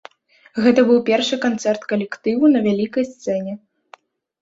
Гэта быў першы канцэрт калектыву на вялікай сцэне.